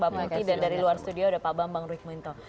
pak mufti dan dari luar studio ada pak bambang rikminto